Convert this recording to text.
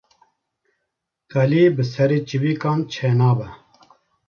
Qelî bi serê çîvikan çê nabe